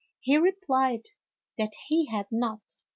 He replied that he had not.